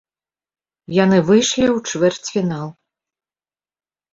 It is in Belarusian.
Яны выйшлі ў чвэрцьфінал.